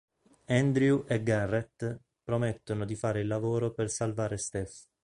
Andrew e Garret promettono di fare il lavoro per salvare Steph.